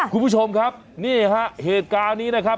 คุณผู้ชมครับนี่ฮะเหตุการณ์นี้นะครับ